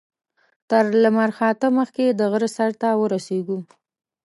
تر لمر خاته مخکې د غره سر ته ورسېږو.